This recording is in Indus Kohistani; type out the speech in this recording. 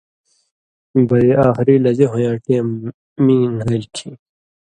بئ آخری لژہ ہویں یاں ٹېم مِیں نھال کھیں